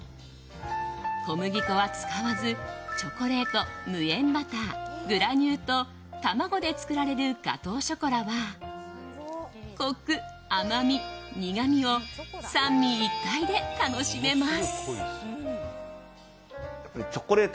小麦粉は使わずチョコレート、無塩バターグラニュー糖、卵で作られるガトーショコラはコク、甘み、苦みを三位一体で楽しめます。